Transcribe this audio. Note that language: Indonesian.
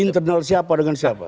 internal siapa dengan siapa